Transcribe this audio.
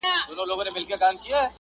ها د ښكلا شاپېرۍ هغه د سكون سهزادگۍ.